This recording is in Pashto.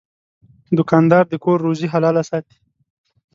دوکاندار د کور روزي حلاله ساتي.